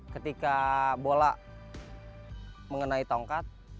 ketika bola mengenai tongkat